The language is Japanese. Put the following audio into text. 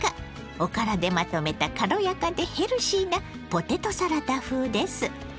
おからでまとめた軽やかでヘルシーなポテトサラダ風です。